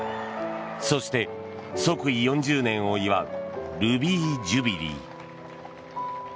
そして、即位４０年を祝うルビー・ジュビリー。